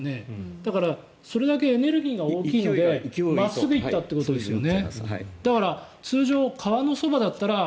だから、それだけエネルギーが大きいので真っすぐ行ったということですよね。